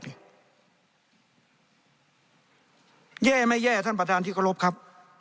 แย่หรือไม่แย่ทำประธานถิกบลงครับ